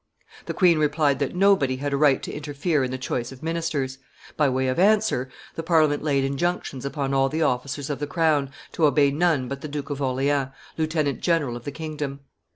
The queen replied that nobody had a right to interfere in the choice of ministers. By way of answer, the Parliament laid injunctions upon all the officers of the crown to obey none but the Duke of Orleans, lieutenant general of the kingdom.